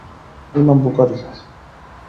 Imam Bukhari